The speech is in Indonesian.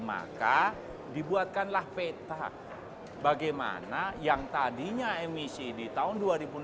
maka dibuatkanlah peta bagaimana yang tadinya emisi di tahun dua ribu lima belas